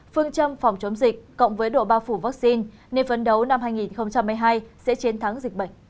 phương châm phòng chống dịch cộng với độ bao phủ vaccine nên phấn đấu năm hai nghìn hai mươi hai sẽ chiến thắng dịch bệnh